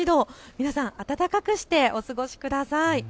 皆さん暖かくしてお過ごしください。